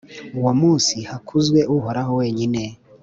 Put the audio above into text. uwo munsi hakuzwe Uhoraho wenyine,